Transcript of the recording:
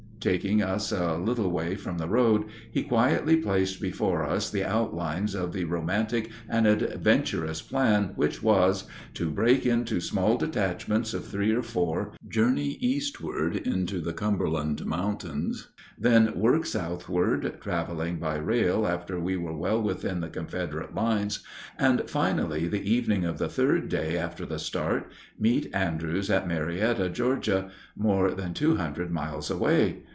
Taking us a little way from the road, he quietly placed before us the outlines of the romantic and adventurous plan, which was: to break into small detachments of three or four, journey eastward into the Cumberland Mountains, then work southward, traveling by rail after we were well within the Confederate lines, and finally the evening of the third day after the start, meet Andrews at Marietta, Georgia, more than two hundred miles away.